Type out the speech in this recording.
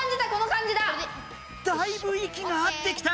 だいぶいきが合ってきた！